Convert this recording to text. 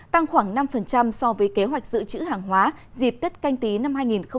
tăng khoảng năm so với kế hoạch giữ chữ hàng hóa dịp tết canh tí năm hai nghìn hai mươi